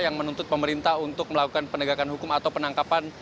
yang menuntut pemerintah untuk melakukan penegakan hukum atau penangkapan